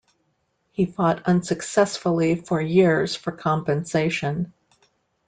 He fought unsuccessfully for years for compensation.